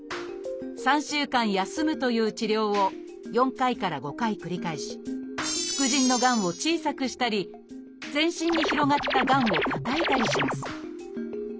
３週間休むという治療を４回から５回繰り返し副腎のがんを小さくしたり全身に広がったがんをたたいたりします